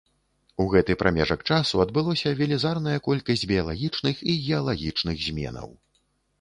У гэты прамежак часу адбылося велізарная колькасць біялагічных і геалагічных зменаў.